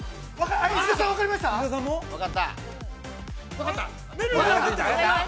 分かった？